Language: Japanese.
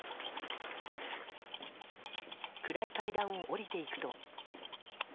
暗い階段を下りていくと。